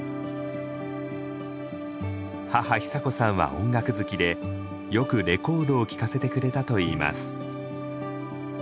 母久子さんは音楽好きでよくレコードを聴かせてくれたといいます。